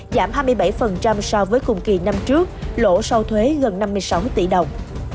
giảm hai mươi bảy so với cùng kỳ năm trước lỗ sau thuế gần năm mươi sáu tỷ đồng